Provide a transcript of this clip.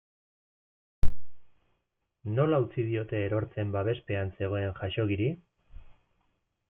Nola utzi diote erortzen babespean zegoen Khaxoggiri?